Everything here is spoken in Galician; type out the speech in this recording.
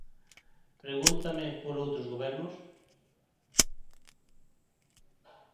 Pregúntame por outros gobernos.